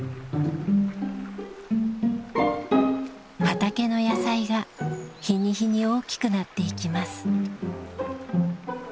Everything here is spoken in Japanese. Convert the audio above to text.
畑の野菜が日に日に大きくなっていきます。